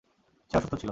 সে অসুস্থ ছিল।